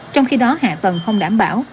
trong khi đó hạ tầng không đảm bảo